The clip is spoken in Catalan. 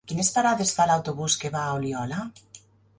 Quines parades fa l'autobús que va a Oliola?